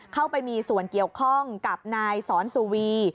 เข้าไปมีส่วนเกี่ยวข้องกับนายสอนสุวี